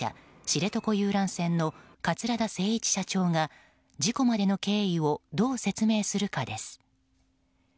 知床遊覧船の桂田精一社長が事故までの経緯をどう説明するかです。